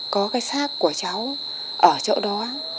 có cái xác của cháu ở chỗ đó